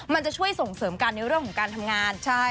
มันจะช่วยส่งเสริมกันในเรื่องของการทำงาน